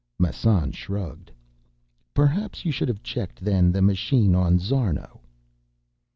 Massan shrugged. "Perhaps you should have checked then, the machine on Szarno."